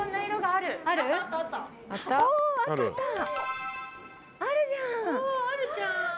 あるじゃん。